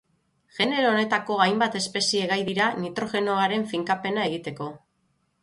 Genero honetako hainbat espezie gai dira nitrogenoaren finkapena egiteko.